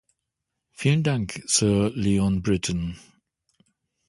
Vielen Dank, Sir Leon Brittan.